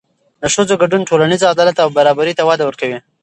د ښځو ګډون ټولنیز عدالت او برابري ته وده ورکوي.